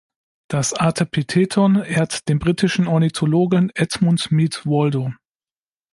Das Artepitheton ehrt den britischen Ornithologen Edmund Meade-Waldo.